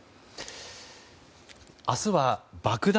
明日は爆弾